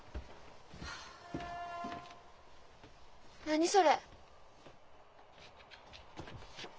何それ。